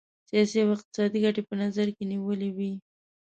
سیاسي او اقتصادي ګټي په نظر کې نیولي وې.